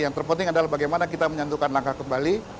yang terpenting adalah bagaimana kita menyantukan langkah kembali